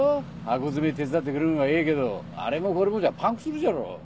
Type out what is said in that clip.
箱詰め手伝ってくれるんはええけどあれもこれもじゃパンクするじゃろ。